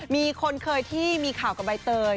มีคนเคยที่มีข่าวกับใบเตย